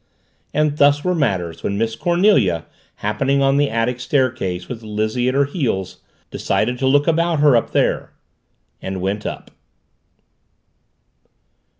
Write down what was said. And thus were matters when Miss Cornelia, happening on the attic staircase with Lizzie at her heels, decided to look about her up there. And went up.